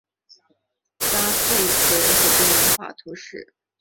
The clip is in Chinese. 拉佩格人口变化图示